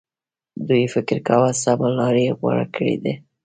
دوی فکر کاوه سمه لار یې غوره کړې ده.